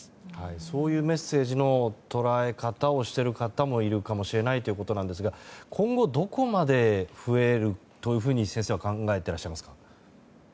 そういうメッセージの捉え方をしている方もいるかもしれないということなんですが今後、どこまで増えるというふうに先生は考えていらっしゃいますか？